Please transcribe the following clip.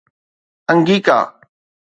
انگيڪا